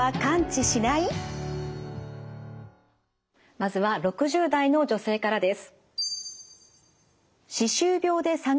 まずは６０代の女性からです。